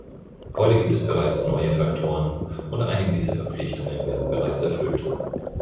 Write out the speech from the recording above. Heute gibt es bereits neue Faktoren, und einige dieser Verpflichtungen werden bereits erfüllt.